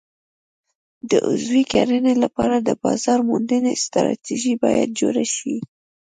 د عضوي کرنې لپاره د بازار موندنې ستراتیژي باید جوړه شي.